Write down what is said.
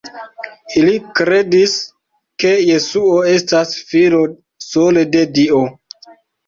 Ili kredis, ke Jesuo estas Filo sole de Dio.